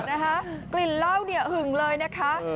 เออนะคะกลิ่นเหล้าหึงเลยนะคะ